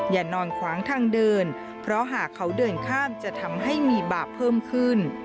อย่านอนขวางทางเดินเพราะหากเขาเดินข้ามจะทำให้มีบาปเพิ่มขึ้น